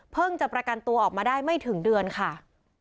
จะประกันตัวออกมาได้ไม่ถึงเดือนค่ะ